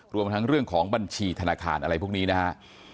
รวมทั้งเรื่องของบัญชีธนาคารอะไรพวกนี้นะฮะ